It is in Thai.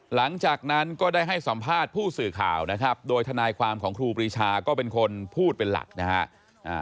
หลังจากนั้นก็ได้ให้สัมภาษณ์ผู้สื่อข่าวนะครับโดยทนายความของครูปรีชาก็เป็นคนพูดเป็นหลักนะฮะ